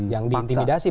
yang di intimidasi